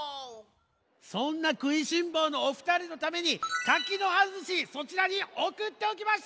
そんなくいしんぼうのおふたりのために柿の葉ずしそちらにおくっておきましたよ！